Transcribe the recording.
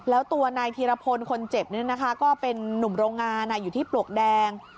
แล้วตัวนายธีรพลคนเจ็บก็เป็นนุ่มโรงงานอยู่ที่ปลวกแดง